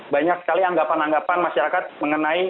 banyak sekali anggapan anggapan masyarakat mengenai